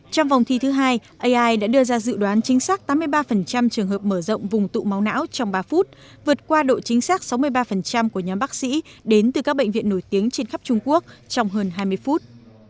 trong vòng thi thứ hai ai đã đưa ra dự đoán chính xác tám mươi ba trường hợp mở rộng vùng tụ máu não trong ba phút vượt qua độ chính xác sáu mươi ba của nhóm bác sĩ đến từ các bệnh viện nổi tiếng trên khắp trung quốc trong hơn hai mươi phút